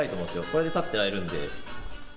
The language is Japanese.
これで立っていられるので。